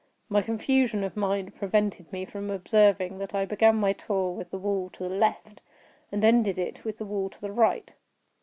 My confusion of mind prevented me from observing that I began my tour with the wall to the left, and ended it with the wall to the right.